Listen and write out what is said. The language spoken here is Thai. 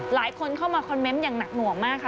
หลายคนเข้ามาอย่างหนักหนักมากค่ะ